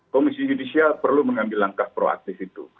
komisi judisial perlu mengambil langkah proaktif itu